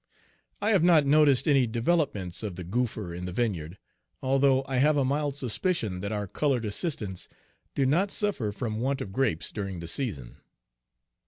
I have not noticed any developments of the goopher in the vineyard, although I have a mild suspicion that our colored assistants do not suffer from want of grapes during the season.